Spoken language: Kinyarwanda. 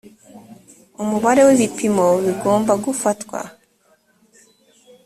umubare w’ibipimo bigomba gufatwa